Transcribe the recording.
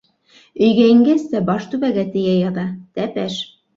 Өйгә ингәс тә баш түбәгә тейә яҙа, тәпәш.